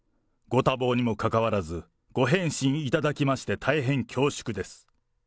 ご多忙にもかかわらず、ご返信いただきまして大変恐縮です。